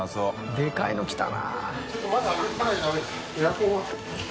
でかいの来たな。